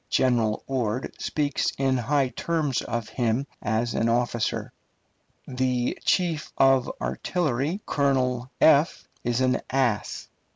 General Ord speaks in high terms of him as an officer. The chief of artillery, Colonel , is an ass.